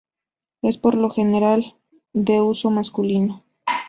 Es por lo general de uso masculino.